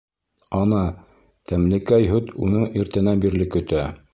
Ана, тәмлекәй һөт уны иртәнән бирле көтә.